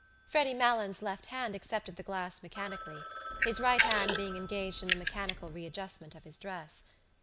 Freddy Malins' left hand accepted the glass mechanically, his right hand being engaged in the mechanical readjustment of his dress.